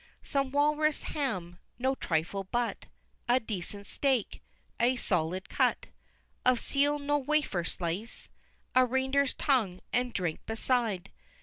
XVIII. Some walrus ham no trifle but A decent steak a solid cut Of seal no wafer slice! A reindeer's tongue and drink beside!